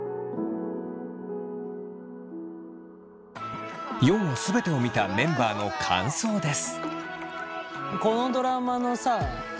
そして４話全てを見たメンバーの感想です。